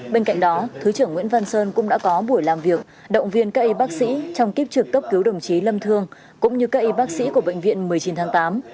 bên cạnh đó thứ trưởng nguyễn văn sơn cũng đã có buổi làm việc động viên các y bác sĩ trong kiếp trực cấp cứu đồng chí lâm thương cũng như các y bác sĩ của bệnh viện một mươi chín tháng tám